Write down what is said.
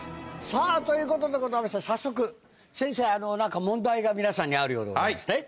さぁということでございまして早速先生何か問題が皆さんにあるようでございますね。